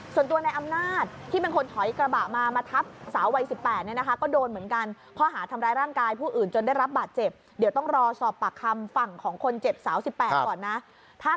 ส่วนตัวในอำนาจที่เป็นคนถอยกระบาดมา